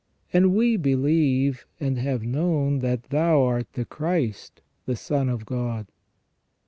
And we believe and have known that Thou art the Christ, the Son of God."